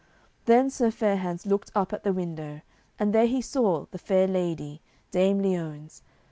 Then Sir Fair hands looked up at the window, and there he saw the fair lady, Dame Liones.